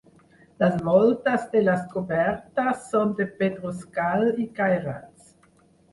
Les voltes de les cobertes són de pedruscall i cairats.